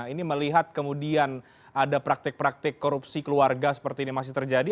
ini melihat kemudian ada praktik praktik korupsi keluarga seperti ini masih terjadi